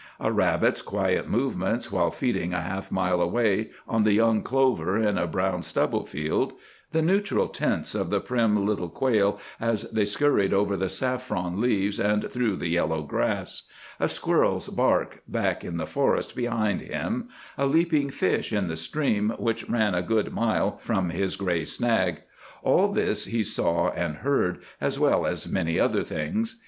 A rabbit's quiet movements while feeding a half mile away on the young clover in a brown stubble field; the neutral tints of the prim little quail as they scurried over the saffron leaves and through the yellow grass; a squirrel's bark back in the forest behind him; a leaping fish in the stream which ran a good mile from his gray snag—all this he saw and heard, as well as many other things.